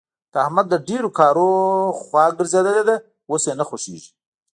د احمد له ډېرو کارونو نه خوا ګرځېدلې ده. اوس یې نه خوښږېږي.